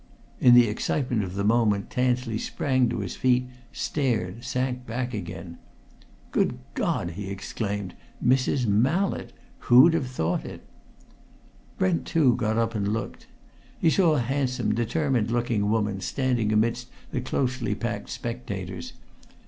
In the excitement of the moment Tansley sprang to his feet, stared, sank back again. "Good God!" he exclaimed. "Mrs. Mallett! Who'd have thought it!" Brent, too, got up and looked. He saw a handsome, determined looking woman standing amidst the closely packed spectators.